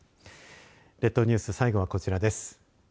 列島ニュース、最後はこちらです。